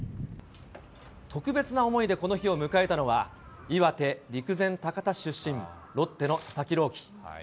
特別な思いでこの日を迎えたのは、岩手・陸前高田市出身、ロッテの佐々木朗希。